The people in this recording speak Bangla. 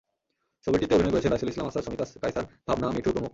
ছবিটিতে অভিনয় করেছেন রাইসুল ইসলাম আসাদ, শমী কায়সার, ভাবনা, মিঠু প্রমুখ।